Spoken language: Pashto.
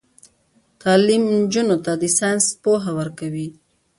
تعلیم نجونو ته د ساينس پوهه ورکوي.